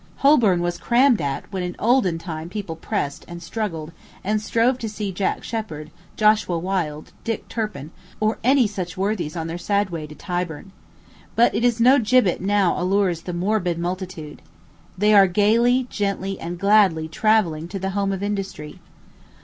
Holborn was crammed at when in olden time people pressed, and struggled, and strove to see Jack Sheppard, Joshua Wild, Dick Turpin, or any such worthies on their sad way to Tyburn. But it is no gibbet now allures the morbid multitude. They are gayly, gently, and gladly travelling to the home of industry.